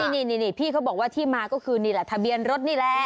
นี่พี่เขาบอกว่าที่มาก็คือนี่แหละทะเบียนรถนี่แหละ